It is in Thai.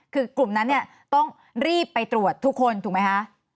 คือกลุ่มนั้นเนี่ยต้องรีบไปตรวจทุกคนถูกไหมคะ